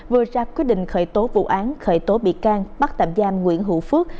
vừa ra quyết định khởi tố vụ án khởi tố bị can bắt tạm giam nguyễn hữu phước